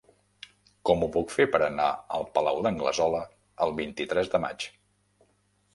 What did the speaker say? Com ho puc fer per anar al Palau d'Anglesola el vint-i-tres de maig?